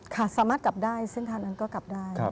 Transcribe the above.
ค่ะสามารถกลับได้เส้นทางนั้นก็กลับได้